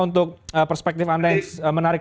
untuk perspektif anda yang menarik